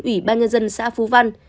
ủy ban nhân dân xã phú văn